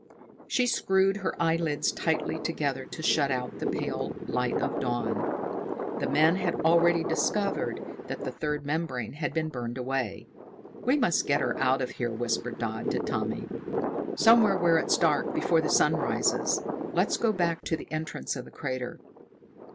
She screwed her eyelids tightly together to shut out the pale light of dawn. The men had already discovered that the third membrane had been burned away. "We must get her out of here," whispered Dodd to Tommy. "Somewhere where it's dark, before the sun rises. Let's go back to the entrance of the crater."